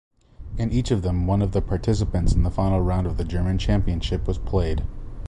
In each of them one of the participants in the final round of the German championship was played.